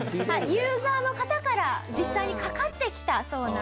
ユーザーの方から実際にかかってきたそうなんですね。